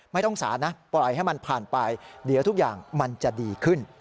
ไม่ต้องสารนะปล่อยให้มันผ่านไปเดี๋ยวทุกอย่างมันจะดีขึ้น